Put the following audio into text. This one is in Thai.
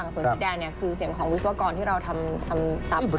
ส่วนสิดแดนเนี่ยคือเสียงของวิศวกรที่เราทำจับให้